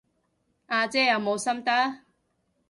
阿姐有冇心得？